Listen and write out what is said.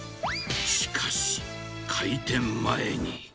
しかし、開店前に。